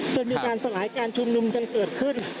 จนมีการสลายการชุมนุมกันเกิดขึ้น